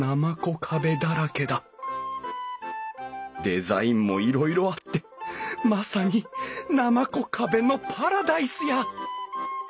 デザインもいろいろあってまさになまこ壁のパラダイスや！